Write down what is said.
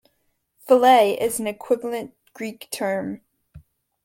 Phiale is an equivalent Greek term.